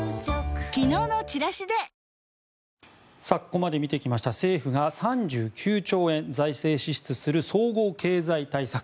ここまで見てきました政府が３９兆円財政支出する総合経済対策。